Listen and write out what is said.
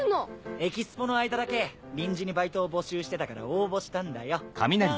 エキスポの間だけ臨時にバイトを募集してたから応募したんだよなっ！